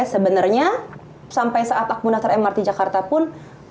sebenarnya sampai saat akumulator mrt jakarta pun